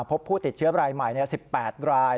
พบผู้ติดเชื้อรายใหม่๑๘ราย